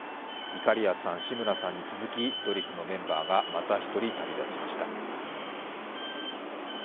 いかりやさん、志村さんに続きドリフのメンバーがまた１人旅立ちました。